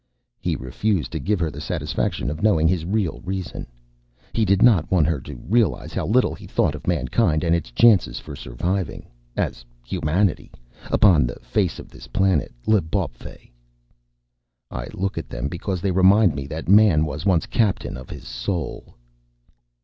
He refused to give her the satisfaction of knowing his real reason. He did not want her to realize how little he thought of Mankind and its chances for surviving as humanity upon the face of this planet, L'Bawpfey. "I look at them because they remind me that Man was once captain of his soul."